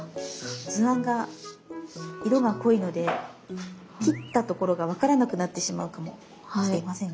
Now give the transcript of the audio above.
図案が色が濃いので切ったところが分からなくなってしまうかもしれませんが。